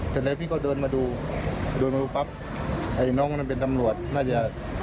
แค่เลยพี่ก็เดินมาดูดูนึกปั๊บไอน้องนั้นเป็นตำรวจน่าจะ